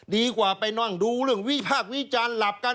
ดีกว่าไปนั่งดูเรื่องวิพากษ์วิจารณ์หลับกัน